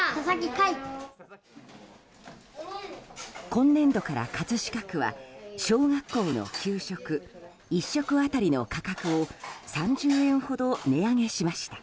今年度から葛飾区は小学校の給食１食当たりの価格を３０円ほど値上げしました。